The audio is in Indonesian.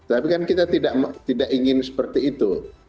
tapi kan kita tidak ingin seperti itu